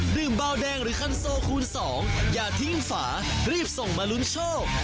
ดื่มเบาแดงหรือคันโซคูณ๒อย่าทิ้งฝารีบส่งมาลุ้นโชค